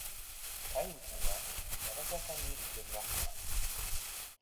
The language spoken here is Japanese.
帰り道には駄菓子屋さんに寄りました。